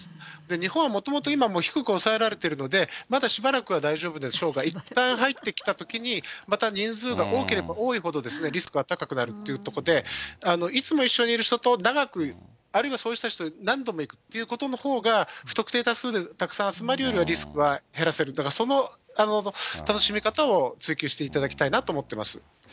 日本はもともと今、低く抑えられているので、まだしばらくは大丈夫でしょうか、いったん入ってきたときに、また人数が多ければ多いほど、リスクが高くなるというところで、いつも一緒にいる人と長く、あるいはそういう人たちと何度も行くということのほうが不特定多数でたくさん集まるよりは、リスクは減らせる、その楽しみ方を追求していただきたいなと思ってます。